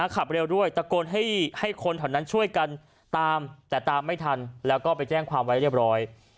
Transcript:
ขับเร็วด้วยตะโกนให้คนแถวนั้นช่วยกันตามแต่ตามไม่ทันแล้วก็ไปแจ้งความไว้เรียบร้อย